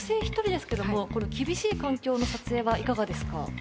一人ですけどもこの厳しい環境の撮影はいかがですか？